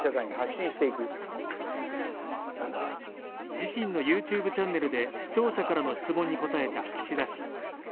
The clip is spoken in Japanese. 自身のＹｏｕＴｕｂｅチャンネルで視聴者からの質問に答えた岸田氏。